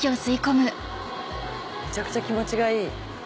めちゃくちゃ気持ちがいい。